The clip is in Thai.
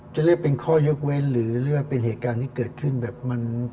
จะเรียกเป็นข้อยกเว้นหรือเรียกว่าเป็นเหตุการณ์ที่เกิดขึ้นแบบมัน